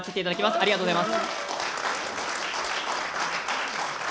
ありがとうございます。